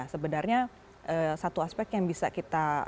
sebenarnya satu aspek yang bisa kita